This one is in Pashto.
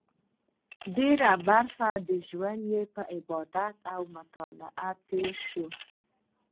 ډېره برخه ژوند یې په عبادت او مطالعه تېر شو.